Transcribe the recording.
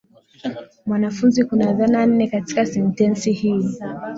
Mwanafunzi kuna dhana nne katika sentensi hii.